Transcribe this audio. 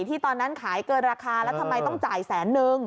ตอนนั้นขายเกินราคาแล้วทำไมต้องจ่ายแสนนึง